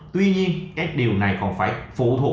tuy nhiên cái điều này còn phải phụ thuộc